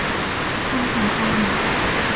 คลุมถุงชน